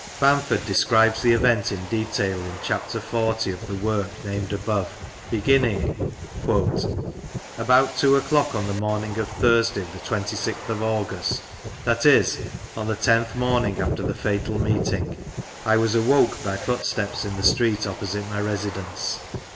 Bamford describes the event in detail ift chapter XL of the work nanied above, begitming : "About two o'clock on the morning of Thursday, the twenty sixth of August, that is, on the tenth morning after the fatal meeting, I was awoke by footsteps in the street oiqxisite my residence.